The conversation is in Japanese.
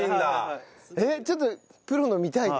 ちょっとプロの見たいね。